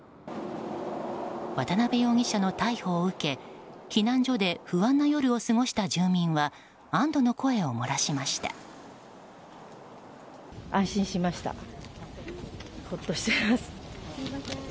渡辺容疑者の逮捕を受け避難所で不安な夜を過ごした住民は安堵の声をもらしました。